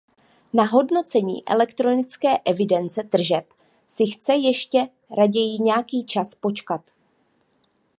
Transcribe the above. Na hodnocení elektronické evidence tržeb si chce ještě raději nějaký čas počkat.